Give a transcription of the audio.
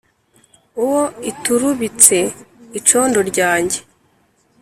Uwo iturubitse icondo ryanjye